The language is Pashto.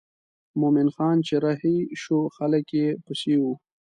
مومن خان چې رهي شو خلک یې پسې وو.